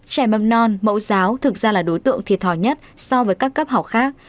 trẻ mầm non mẫu giáo thực ra là đối tượng thiệt thòi nhất so với các cấp học khác